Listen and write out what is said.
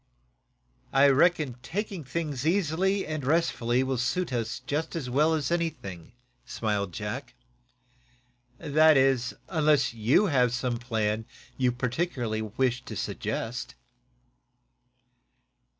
"I reckon taking things easily and restfully will suit us as well as anything," smiled Jack. "That is, unless you have some plan you particularly wish to suggest."